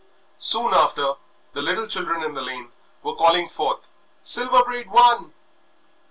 Soon after the little children in the lane were calling forth "Silver Braid won!"